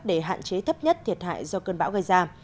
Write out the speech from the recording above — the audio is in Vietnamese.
để hạn chế thấp nhất thiệt hại do cơn bão gây ra